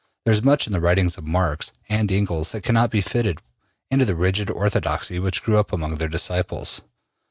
There is much in the writings of Marx and Engels that cannot be fitted into the rigid orthodoxy which grew up among their disciples.